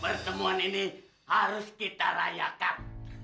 pertemuan ini harus kita rayakan